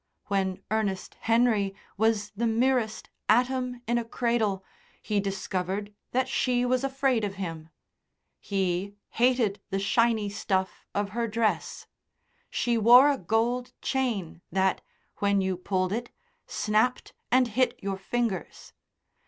When Ernest Henry was the merest atom in a cradle, he discovered that she was afraid of him; he hated the shiny stuff of her dress. She wore a gold chain that when you pulled it snapped and hit your fingers.